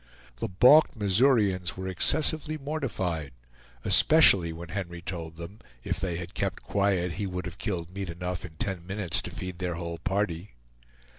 The balked Missourians were excessively mortified, especially when Henry told them if they had kept quiet he would have killed meat enough in ten minutes to feed their whole party.